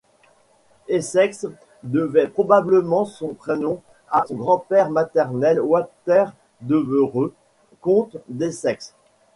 Essex devait probablement son prénom à son grand-père maternel Walter Devereux, comte d'Essex.